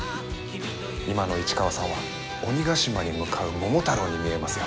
今の市川さんは鬼ヶ島に向かう桃太郎に見えますよ。